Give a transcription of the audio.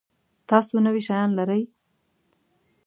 تاسو نوي شیان لرئ؟